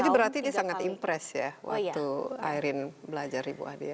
jadi berarti dia sangat impress ya waktu airin belajar ribuan dia